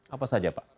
apa saja pak